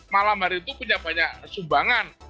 malam hari itu punya banyak sumbangan